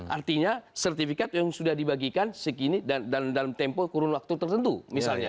artinya sertifikat yang sudah dibagikan segini dan dalam tempo kurun waktu tertentu misalnya